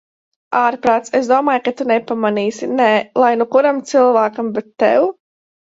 Ārprāts, es domāju, ka tu nepamanīsi... Nē... Lai nu kuram cilvēkam... bet tev?